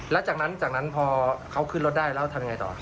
แล้วจากนั้นจากนั้นพอเขาขึ้นรถได้แล้วทำยังไงต่อ